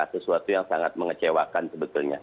sesuatu yang sangat mengecewakan sebetulnya